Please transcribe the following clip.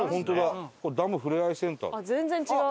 全然違う。